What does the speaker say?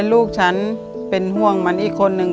ลูกฉันเป็นห่วงมันอีกคนนึง